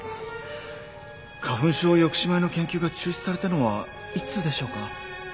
花粉症抑止米の研究が中止されたのはいつでしょうか？